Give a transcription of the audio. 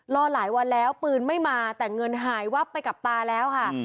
รอหลายวันแล้วปืนไม่มาแต่เงินหายวับไปกับตาแล้วค่ะ